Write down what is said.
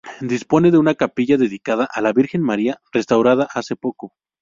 Dispone de una capilla dedicada a la Virgen María restaurada hace poco.